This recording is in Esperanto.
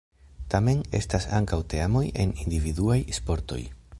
Tamen, estas ankaŭ teamoj en individuaj sportoj.